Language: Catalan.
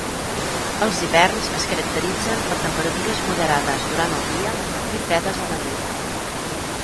Els hiverns es caracteritzen per temperatures moderades durant el dia i fredes a la nit.